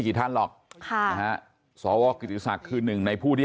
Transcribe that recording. ท่านหรอกค่ะนะฮะสวกิติศักดิ์คือหนึ่งในผู้ที่